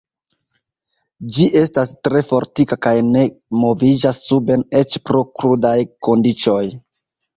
Ĝi estas tre fortika kaj ne moviĝas suben eĉ pro krudaj kondiĉoj.